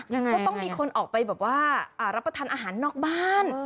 ก็ต้องมีคนออกไปแบบว่ารับประทานอาหารนอกบ้าน